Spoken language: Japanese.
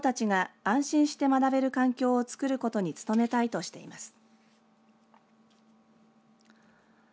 引き続き子どもたちが安心して学べる環境を作ることに努めたいとしています。